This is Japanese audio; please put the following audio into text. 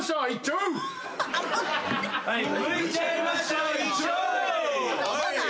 はい。